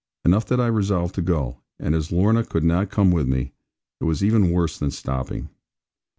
Enough that I resolved to go; and as Lorna could not come with me, it was even worse than stopping.